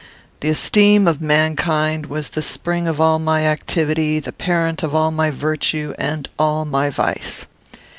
The esteem of mankind was the spring of all my activity, the parent of all my virtue and all my vice.